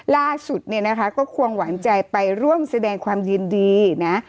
ล่าสุดเนี่ยนะคะก็ควงหวานใจไปร่วมแสดงความยินดีนะ